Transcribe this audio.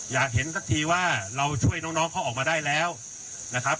อยากเห็นสักทีว่าเราช่วยน้องเขาออกมาได้แล้วนะครับ